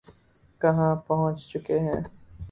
کہاں پہنچ چکے ہیں۔